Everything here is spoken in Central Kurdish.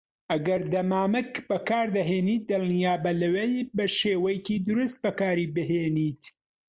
ئەگەر دەمامک بەکاردەهێنیت، دڵنیابە لەوەی بەشێوەیەکی دروست بەکاریبهێنیت.